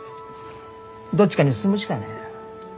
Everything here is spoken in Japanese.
どっちかに進むしかねえ。